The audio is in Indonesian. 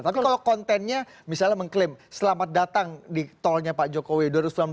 tapi kalau kontennya misalnya mengklaim selamat datang di tolnya pak jokowi dua ribu sembilan belas